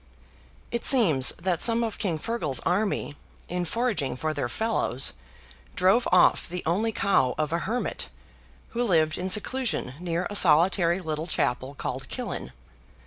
It seems that some of King FEARGAL's army, in foraging for their fellows, drove off the only cow of a hermit, who lived in seclusion near a solitary little chapel called Killin.